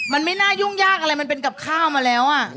มันไม่น่ายุ่งยากอะไรมันเป็นกับข้าวมาแล้ว